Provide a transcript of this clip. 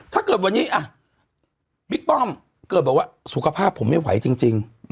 ถ้าเกิดวันนี้บิ๊กป้อมเกิดบอกว่าสุขภาพผมไม่ไหวจริง